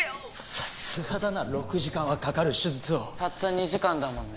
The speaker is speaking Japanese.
さすがだな６時間はかかる手術をたった２時間だもんね